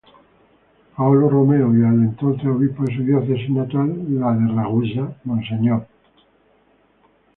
Paolo Romeo y al entonces Obispo de su diócesis natal "la de Ragusa" Mons.